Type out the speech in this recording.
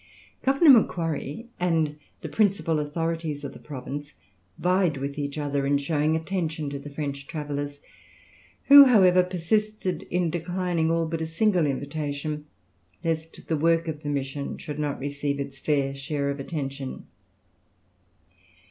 Governor Macquarie, and the principal authorities of the province vied with each other in showing attention to the French travellers, who, however, persisted in declining all but a single invitation, lest the work of the mission should not receive its fair share of attention.